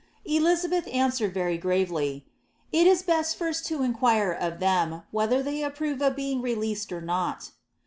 Blizabeih annwereil very gravely —" It is best first to inquire of ttienif whether they approve of being released or nol."